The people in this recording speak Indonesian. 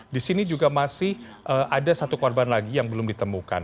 di sini juga masih ada satu korban lagi yang belum ditemukan